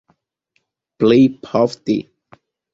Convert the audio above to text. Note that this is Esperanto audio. Plej ofte.